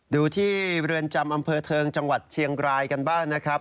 ดูที่เรือนจำอำเภอเทิงจังหวัดเชียงรายกันบ้างนะครับ